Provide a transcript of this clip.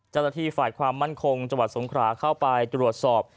เจ้าหน้าที่ฝ่ายความมั่นคงจังหวัดสงขราเข้าไปตรวจสอบ